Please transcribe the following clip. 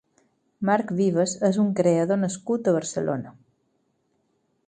Marc Vives és un creador nascut a Barcelona.